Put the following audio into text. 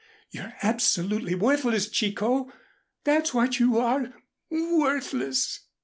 You're absolutely worthless, Chicot, that's what you are worthless!"